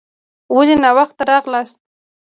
ولي ناوخته راغلاست؟